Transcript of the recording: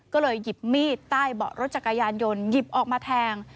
ก็เลยหยิบมีดใต้เบาะรถจักรยานยนต์หยิบออกมาแทง